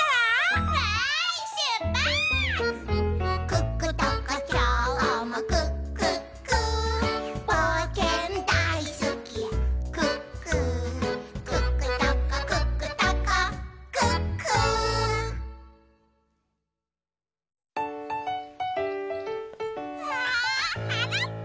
「クックトコきょうもクックックー」「ぼうけんだいすきクックー」「クックトコクックトコクックー」わはらっぱだ！